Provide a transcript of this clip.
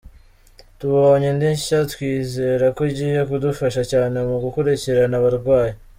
Tubonye indi nshya twizera ko igiye kudufasha cyane mu gukurikirana abarwayi.